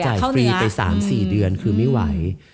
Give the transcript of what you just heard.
ฟรีไป๓๔เดือนคือไม่ไหว